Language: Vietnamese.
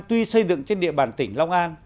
tuy xây dựng trên địa bàn tỉnh long an